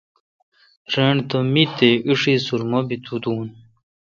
رݨ تہ می تے°ایݭی سرمہ بی تو دون۔